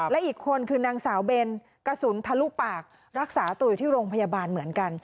และอีกคนคือนางสาวเบนกระสุนทะลุปากรักษาตัวอยู่ที่โรงพยาบาลเหมือนกัน